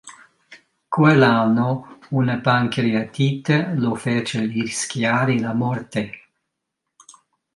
Quell'anno una pancreatite lo fece rischiare la morte.